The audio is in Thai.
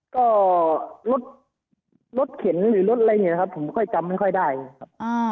ก็รถรถเข็นหรือรถอะไรเนี่ยนะครับผมค่อยจำไม่ค่อยได้ครับ